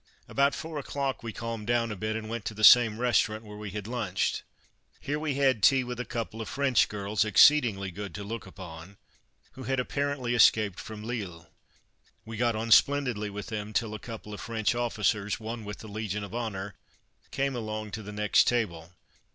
About four o'clock we calmed down a bit, and went to the same restaurant where we had lunched. Here we had tea with a couple of French girls, exceeding good to look upon, who had apparently escaped from Lille. We got on splendidly with them till a couple of French officers, one with the Legion of Honour, came along to the next table.